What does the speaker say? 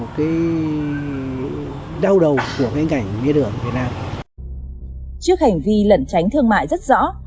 trước hành vi lẩn tránh thương mại rất rõ